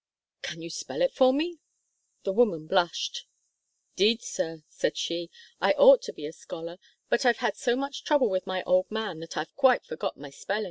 'Can you spell it for me?' The woman blushed. ''Deed, sir,' said she, 'I ought to be a scholar, but I've had so much trouble with my old man that I've quite forgot my spellin'.'